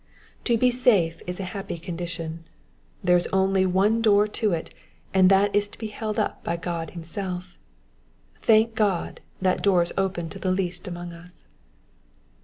To be safe is a happy condition ; there is only one door to it, and that is to be held up by God himself ; thank God, that door is open to the least among us.